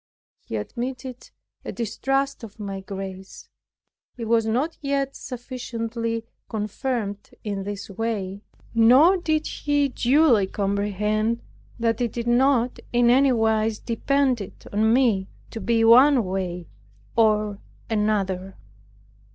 He admitted a distrust of my grace; he was not yet sufficiently confirmed in his way, nor did he duly comprehend, that it did not in any wise depend on me to be one way or another.